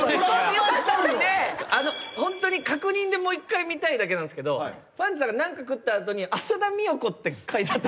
ホントに確認でもう１回見たいだけなんですけどパンチさんが何か食った後に「浅田美代子」って書いてあった。